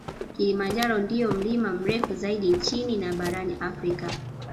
Kilimanjaro ndio mlima mrefu zaidi nchini na barani Afrika